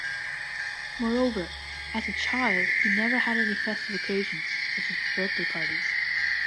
Moreover, as a child, he never had any festive occasions, such as birthday parties.